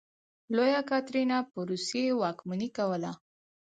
لویه کاترینه په روسیې واکمني کوله.